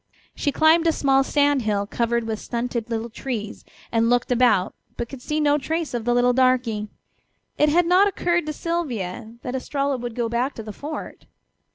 She climbed a small sand hill covered with stunted little trees and looked about, but could see no trace of the little darky. It had not occurred to Sylvia that Estralla would go back to the fort.